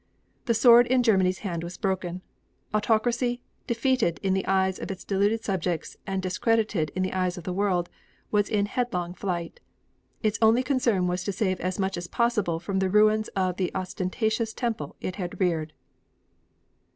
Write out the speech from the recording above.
The sword in Germany's hand was broken. Autocracy, defeated in the eyes of its deluded subjects and discredited in the eyes of the world, was in headlong flight. Its only concern was to save as much as possible from the ruins of the ostentatious temple it had reared.